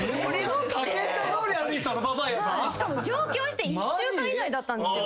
しかも上京して一週間以内だったんですよ。